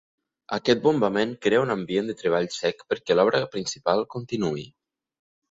Aquest bombament crea un ambient de treball sec perquè l'obra principal continuï.